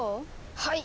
はい！